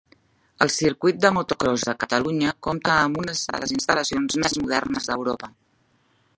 El Circuit de Motocròs de Catalunya compta amb unes de les instal·lacions més modernes d'Europa.